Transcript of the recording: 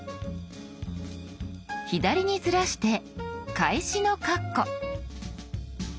左にずらして開始のカッコ。